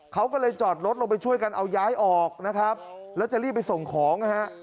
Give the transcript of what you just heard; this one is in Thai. เขาก็เลยจอดรถลงไปช่วยกันเอาย้ายออกนะครับแล้วจะรีบไปส่งของนะฮะ